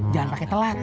jangan pakai telat